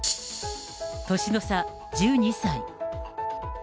年の差１２歳。